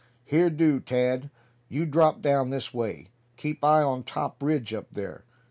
"Here do, Tad; you drop down this way. Keep eye on top ridge up there.